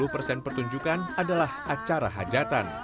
sepuluh pertunjukan adalah acara hajatan